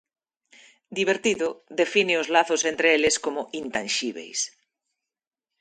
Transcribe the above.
Divertido, define os lazos entre eles como intanxíbeis.